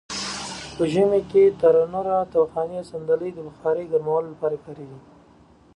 په ژمې کې تنرونه؛ تاوخانې؛ صندلۍ او بخارۍ د ګرمولو لپاره کاریږي.